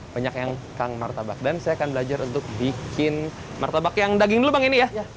banyak yang kang martabak dan saya akan belajar untuk bikin martabak yang daging dulu bang ini ya